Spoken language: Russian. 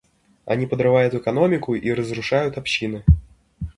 Они подрывают экономику и разрушают общины.